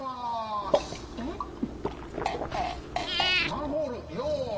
マンホールよし！